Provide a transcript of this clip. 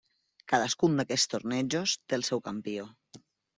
Cadascun d'aquests torneigs té el seu campió.